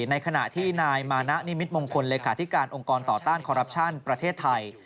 ในขณะที่นายมานะนิมิตมงคลเลขาธิการองค์กรต่อต้านคอรัปชั่นประเทศไทย